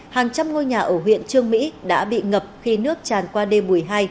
hàng trăm ngôi nhà ở huyện trương mỹ đã bị ngập khi nước tràn qua đêm một mươi hai